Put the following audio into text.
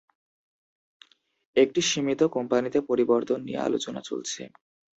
একটি সীমিত কোম্পানিতে পরিবর্তন নিয়ে আলোচনা চলছে।